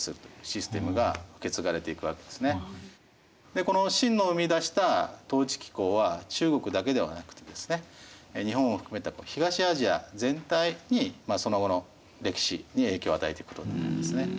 でこの秦の生み出した統治機構は中国だけではなくてですね日本を含めた東アジア全体にその後の歴史に影響を与えていくことになりますね。